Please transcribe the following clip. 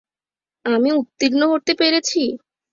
আমি উত্তীর্ণ হতে পেরেছি?